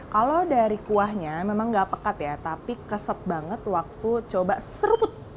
kalau dari kuahnya memang gak pekat ya tapi keset banget waktu coba seruput